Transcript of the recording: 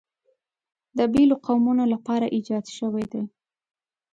د بېلو قومونو لپاره ایجاد شوي دي.